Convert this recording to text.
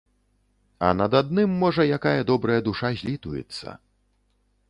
А над адным можа якая добрая душа злітуецца.